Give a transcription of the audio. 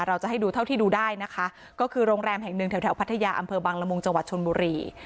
เราจะให้ดูเท่าที่ดูได้นะคะก็คือโรงแรมแห่งหนึ่งแถวแถวพัทยาอำเภอบังละมุงจังหวัดชนบุรี